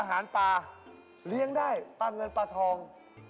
อาหารปลาเลี้ยงได้ปลาเงินปลาทอง